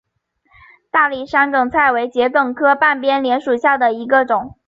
大理山梗菜为桔梗科半边莲属下的一个种。